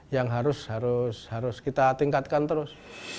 yang harus kita tingkatkan terus